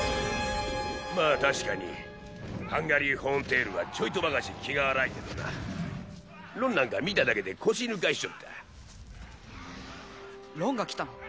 まあ確かにハンガリー・ホーンテイルはちょいとばかし気が荒いけどなロンなんか見ただけで腰抜かしちょったロンが来たの？